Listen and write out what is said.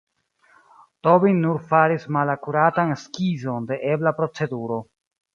Tobin nur faris malakuratan skizon de ebla proceduro.